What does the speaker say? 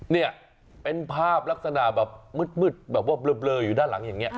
เนี่ยเป็นภาพลักษณะแบบมืดแบบว่าเบลออยู่ด้านหลังอย่างนี้